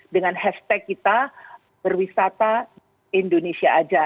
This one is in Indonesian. dengan hashtag kita berwisata di indonesia aja